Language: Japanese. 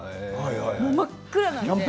真っ暗なので。